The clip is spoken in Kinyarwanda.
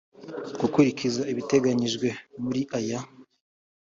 gikurikiza ibiteganyijwe muri aya